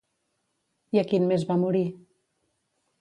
I a quin mes va morir?